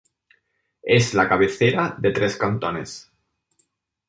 Es la cabecera de tres cantones.